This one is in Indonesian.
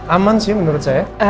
aman sih menurut saya